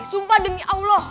sumpah demi allah